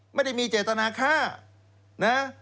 ไม่ได้มีเจตนาฆ่านะ